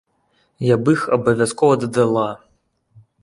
Я б іх абавязкова дадала.